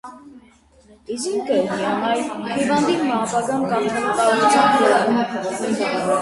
Իզին կը հիանայ հիւանդի մը ապագան կարդալու կարողութեան վրայ։